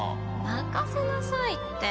任せなさいって。